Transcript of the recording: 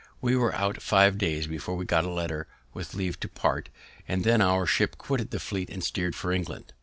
We were out five days before we got a letter with leave to part, and then our ship quitted the fleet and steered for England.